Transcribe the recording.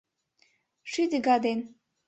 Шӱдӧ га ден